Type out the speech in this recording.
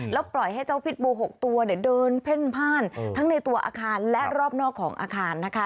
แล้วปล่อยให้เจ้าพิษบู๖ตัวเดินเพ่นพ่านทั้งในตัวอาคารและรอบนอกของอาคารนะคะ